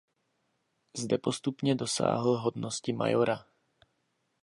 Zde postupně dosáhl hodnosti majora.